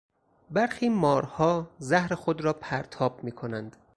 برخی مارها زهر خود را پرتاب میکنند.